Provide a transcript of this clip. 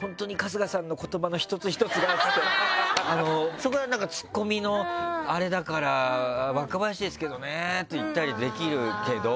そこはなんかツッコミのあれだから「若林ですけどね」って言ったりできるけど。